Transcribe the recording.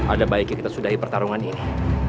ada baiknya kita sudahi pertarungan ini